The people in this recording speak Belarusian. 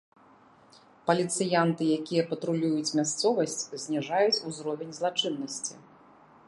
Паліцыянты, якія патрулююць мясцовасць, зніжаюць узровень злачыннасці.